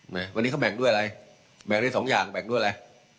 มาวันนี้เขาแบ่งด้วยอะไรแบ่งได้สองอย่างแบ่งด้วยอะไร